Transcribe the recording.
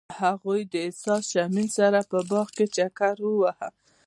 هغوی د حساس شمیم سره په باغ کې چکر وواهه.